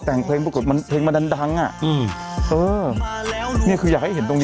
แต่งเพลงปรากฏมันเพลงมันดันดังอ่ะอืมเออมาแล้วนี่คืออยากให้เห็นตรงนี้